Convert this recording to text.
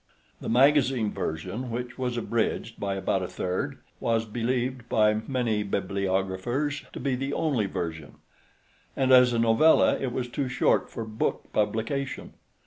The magazine version, which was abridged by about a third, was believed by many bibliographers to be the only version and as a novella it was too short for book publication.